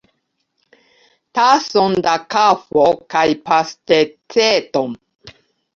Tason da kafo kaj pasteĉeton!